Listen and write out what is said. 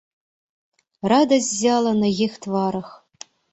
Радасць ззяла на іх тварах.